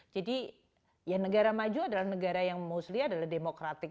jadi ya negara maju adalah negara yang mostly adalah demokratik